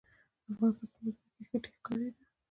د افغانستان په منظره کې ښتې ښکاره ده.